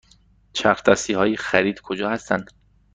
چرخ دستی های خرید کجا هستند؟